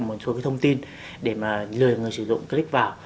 một số cái thông tin để mà lừa người sử dụng click vào